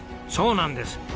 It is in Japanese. そうなんです。